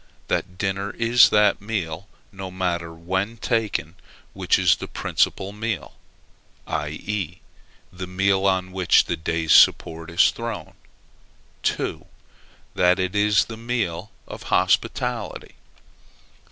That dinner is that meal, no matter when taken, which is the principal meal; i.e. the meal on which the day's support is thrown. 2. That it is the meal of hospitality.